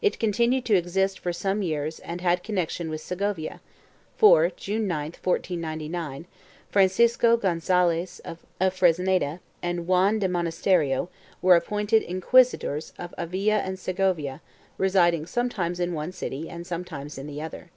It continued to exist for some years and had connection with Segovia, for, June 9, 1499, Francisco Gonzalez of Fresneda and Juan de Monasterio were appointed inquisitors of Avila and Segovia, residing sometimes in one city and sometimes in the other.